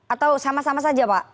atau sama sama saja pak